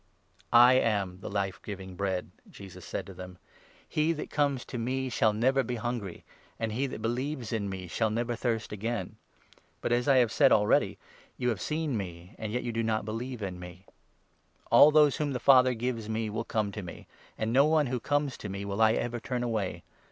34 "I am the Life giving Bread," Jesus said to them; "he 35 that comes to me shall never be hungry, and he that believes in me shall never thirst again. But, as I have said already, 36 you have seen me, and yet you do not believe in me. All 37 those whom the Father gives me will come to me ; and no one who comes to me will I ever turn away.